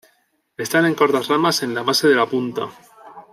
Están en cortas ramas en la base de la punta.